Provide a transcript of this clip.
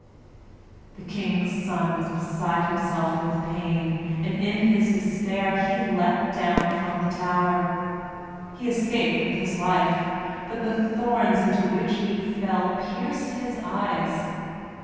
The King's son was beside himself with pain, and in his despair he leapt down from the tower. He escaped with his life, but the thorns into which he fell pierced his eyes.